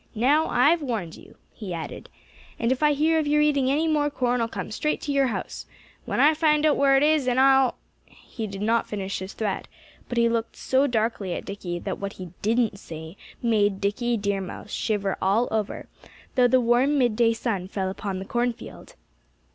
Now I've warned you," he added. "And if I hear of your eating any more corn I'll come straight to your house when I find out where it is and I'll " He did not finish his threat. But he looked so darkly at Dickie that what he didn't say made Dickie Deer Mouse shiver all over, though the warm midday sun fell upon the cornfield.